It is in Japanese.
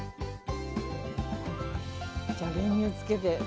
じゃあ練乳つけて。